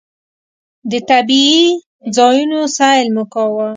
د طبعي ځایونو سیل مو کاوه.